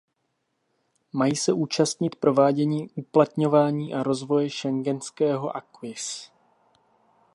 Mají se účastnit provádění, uplatňování a rozvoje schengenského acquis.